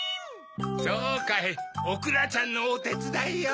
そうかいおくらちゃんのおてつだいを。